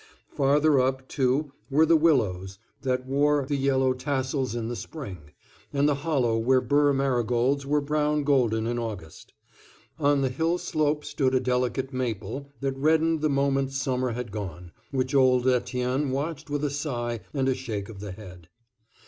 Farther up, too, were the willows that wore the yellow tassels in the spring, and the hollow where burr marigolds were brown golden in August. On the hill slope stood a delicate maple that reddened the moment summer had gone, which old Etienne watched with a sigh and a shake of the head.